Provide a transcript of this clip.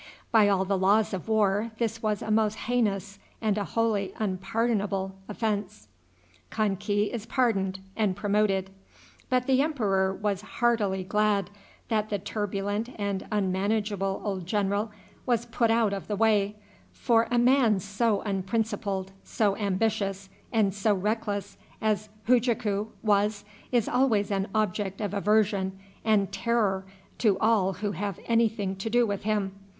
By all the laws of war this was a most heinous and a wholly unpardonable offense. But the emperor was heartily glad that the turbulent and unmanageable old general was put out of the way, for a man so unprincipled, so ambitious, and so reckless as Hujaku was is always an object of aversion and terror to all who have any thing to do with him.